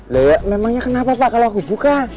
lewek memangnya kenapa pak kalau aku buka